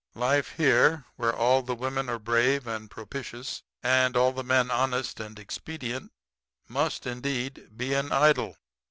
Life here, where all the women are brave and propitious and all the men honest and expedient, must, indeed, be an idol.